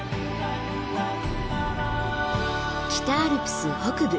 北アルプス北部